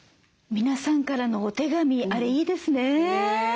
皆さんからのお手紙あれいいですね。